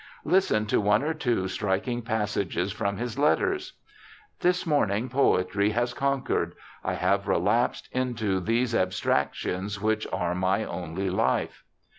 Listen to one or two striking passages from his letters :' This morning Poetry has conquered, — I have relapsed into those abstractions which are my only life.'